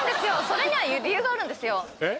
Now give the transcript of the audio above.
それには理由があるんですよえっ？